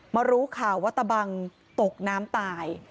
รู้ข่าวว่าตะบังตกน้ำตาย